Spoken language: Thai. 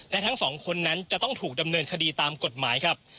และทั้งสองคนนั้นจะต้องถูกดำเนินคดีตามกฎหมายครับ